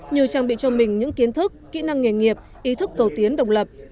như trang bị cho mình những kiến thức kỹ năng nghề nghiệp ý thức cầu tiến đồng lập